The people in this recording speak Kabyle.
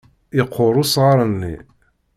Yeqqur usɣar-nni.